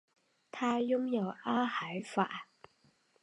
它拥有阿海珐。